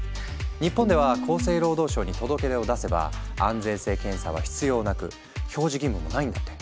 日本では厚生労働省に届け出を出せば安全性検査は必要なく表示義務もないんだって。